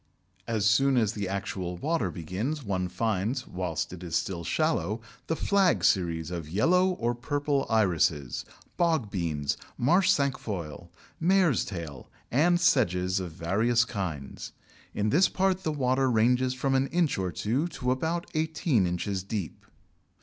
As soon as the actual water begins, one finds, whilst it is still shallow, the Flag series of yellow or purple Irises, Bogbeans, Marsh Cinquefoil, Mare's Tail, and Sedges of various kinds. In this part the water ranges from an inch or two to about eighteen inches deep.